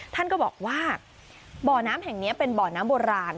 ท่านก็บอกว่าบ่อน้ำแห่งนี้เป็นบ่อน้ำโบราณ